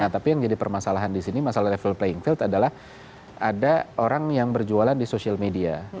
tapi yang jadi permasalahan di sini masalah level playing field adalah ada orang yang berjualan di sosial media